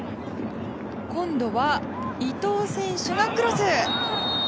今度は伊東選手がクロス！